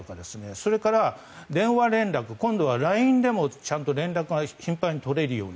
それから、電話連絡今度はＬＩＮＥでもちゃんと連絡が頻繁にとれるように。